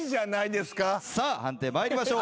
さあ判定参りましょう。